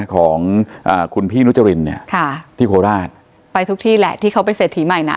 ของอ่าคุณพี่นุจรินเนี่ยค่ะที่โคราชไปทุกที่แหละที่เขาเป็นเศรษฐีใหม่น่ะ